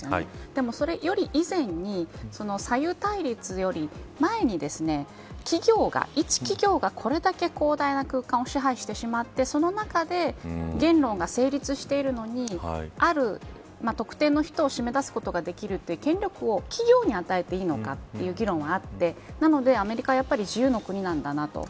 でも、それより以前に左右対立より前に一企業がこれだけ広大な空間を支配してしまってその中で言論が成立しているのにある特定の人を締め出すことができるという権力を企業に与えていいのかという議論はあってなので、アメリカはやっぱり自由の国なんだなと。